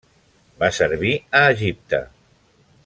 Va servir a Egipte.